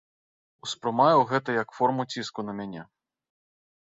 Успрымаю гэта як форму ціску на мяне.